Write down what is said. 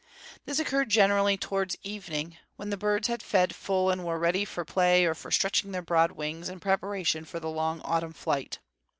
This occurred generally towards evening, when the birds had fed full and were ready for play or for stretching their broad wings in preparation for the long autumn flight.